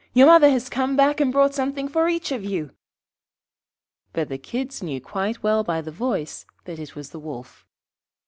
Your mother has come back and brought something for each of you.' But the Kids knew quite well by the voice that it was the Wolf.